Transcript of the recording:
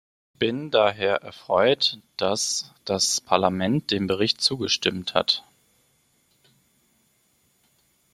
Ich bin daher erfreut, dass das Parlament dem Bericht zugestimmt hat.